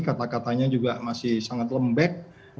kata katanya juga masih sangat lembek